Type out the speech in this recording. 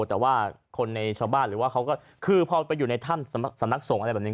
แต่ว่าคนในชาวบ้านหรือว่าเขาก็คือพอไปอยู่ในถ้ำสำนักสงฆ์อะไรแบบนี้